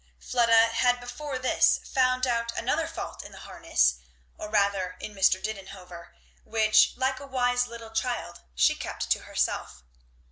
Fleda had before this found out another fault in the harness, or rather in Mr. Didenhover, which like a wise little child she kept to herself.